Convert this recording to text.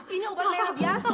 ini obatnya yang biasa